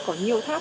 có nhiều tháp